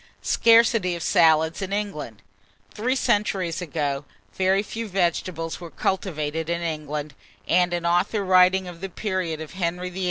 SCARCITY OF SALADS IN ENGLAND. Three centuries ago, very few vegetables were cultivated in England, and an author writing of the period of Henry VIII.'